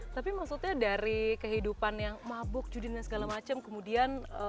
tapi maksudnya dari kehidupan yang mabuk judin dan segala macam kemudian